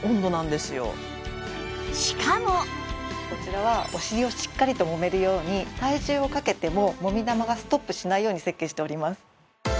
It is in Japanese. こちらはお尻をしっかりともめるように体重をかけてももみ玉がストップしないように設計しております。